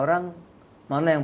sudah mengetahui keluarga